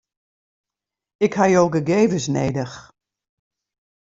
Ik ha jo gegevens nedich.